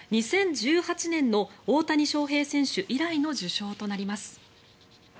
２０１８年の大谷翔平選手以来の受賞となります。